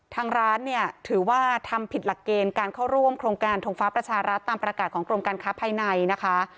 ทางร้านเนี่ยถือว่าทำผิดหลักเกณฑ์การเข้าร่วมโครงการทงฟ้าประชารัฐตามประกาศของกรมการค้าภายในนะคะ